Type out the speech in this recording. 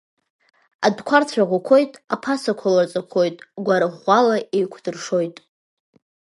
Адәқәа рцәаӷәақәоит аԥасақәа ларҵақәоит гәара ӷәӷәала икәдыршақәоит.